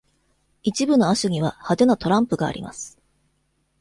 一部の亜種には「派手なトランプ」があります。